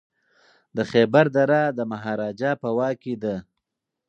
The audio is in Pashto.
د خیبر دره د مهاراجا په واک کي ده.